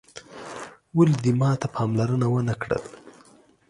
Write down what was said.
ولي دې ماته پاملرنه وه نه کړل